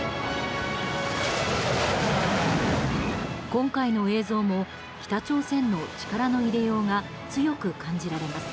今回の映像も北朝鮮の力の入れようが強く感じられます。